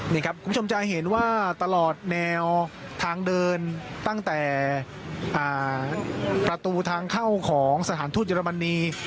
นี่ครับคุณผู้ชมจะเห็นว่าตลอดแนวทางเดินตั้งแต่ประตูทางเข้าของสถานทูตเยอรมนี